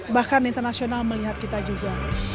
bahkan internasional melihat kita juga